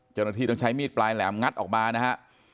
เจ้าหน้าที่ต้องใช้มีดปลายแหลมงัดออกมานะฮะ